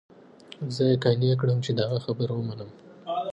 زه يې قانع كړم چې د هغه خبره ومنم.